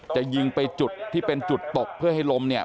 จะยิงไปจุดที่เป็นจุดตกเพื่อให้ลมเนี่ย